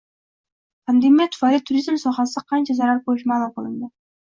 Pandemiya tufayli turizm sohasi qancha zarar koʻrishi maʼlum qilindi